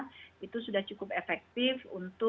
kita harusakan kalau orang barang